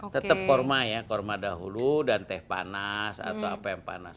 tetap kurma ya kurma dahulu dan teh panas atau apa yang panas